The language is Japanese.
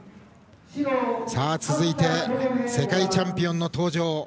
続いて、世界チャンピオンの登場。